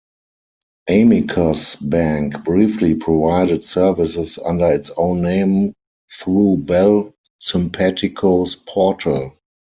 Amicus Bank briefly provided services under its own name through Bell Sympatico's portal.